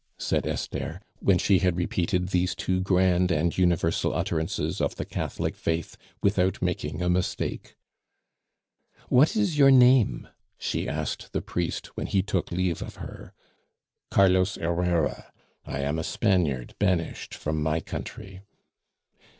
said Esther, when she had repeated these two grand and universal utterances of the Catholic faith without making a mistake. "What is your name?" she asked the priest when he took leave of her. "Carlos Herrera; I am a Spaniard banished from my country."